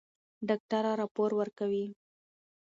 ډاکټره راپور ورکوي.